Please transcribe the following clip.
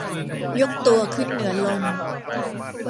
ยกตัวขึ้นเหนือลม